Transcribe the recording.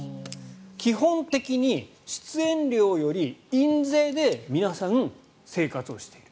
基本的に出演料より印税で皆さん生活をしている。